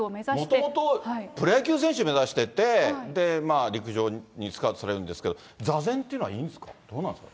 もともとプロ野球選手を目指してて、陸上にスカウトされるんですけど、座禅っていうのはいいんですか、どうなんですか？